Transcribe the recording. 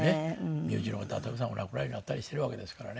身内の方がたくさんお亡くなりになったりしてるわけですからね。